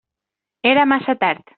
Era massa tard.